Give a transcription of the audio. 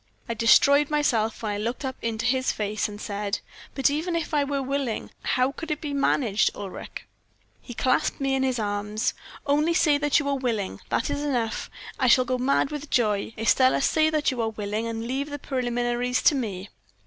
I destroyed myself when I looked up into his face, and said; "'But even if I were willing, how could it be managed, Ulric?' "He clasped me in his arms. "'Only say that you are willing, that is enough. I shall go mad with joy! Estelle, say that you are willing, and leave the preliminaries to me.'